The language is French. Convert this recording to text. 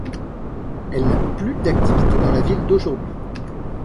Elle n'a plus d'activité dans la ville d'aujourd'hui.